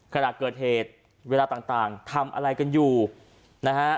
ขณะเกิดเหตุเวลาต่างทำอะไรกันอยู่นะฮะ